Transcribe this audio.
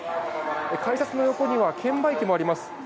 改札の横には券売機もあります。